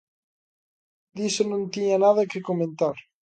Diso non tiña nada que comentar.